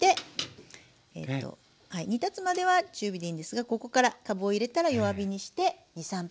煮立つまでは中火でいいんですがここからかぶを入れたら弱火にして２３分煮ていきます。